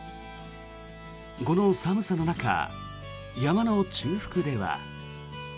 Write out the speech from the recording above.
この寒さの中、山の中腹では。